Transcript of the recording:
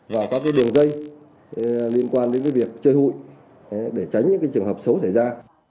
vào các cái đường dây liên quan đến cái việc chơi hụi để tránh những cái trường hợp xấu xảy ra